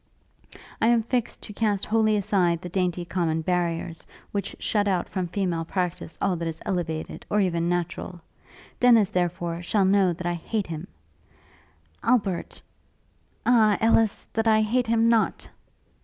'I am fixed to cast wholly aside the dainty common barriers, which shut out from female practice all that is elevated, or even natural. Dennis, therefore, shall know that I hate him; Albert ... Ah, Ellis! that I hate him not!'